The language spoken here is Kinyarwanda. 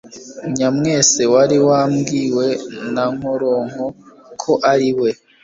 Nyamwesa wari wabwiwe na Nkoronko ko ari we